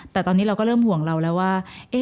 แต่ตอนนี้เราก็เริ่มห่วงเราแล้วว่า